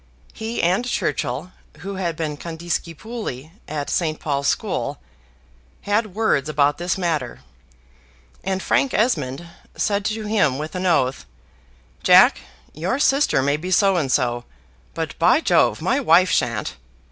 He and Churchill, who had been condiscipuli at St. Paul's School, had words about this matter; and Frank Esmond said to him with an oath, "Jack, your sister may be so and so, but by Jove my wife shan't!"